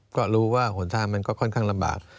ก็รู้ว่าหนทางมันก็ค่อนข้างลำบาก